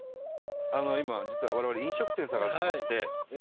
今実は我々飲食店を探してまして。